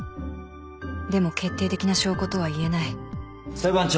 でも決定的な証拠とはいえない裁判長。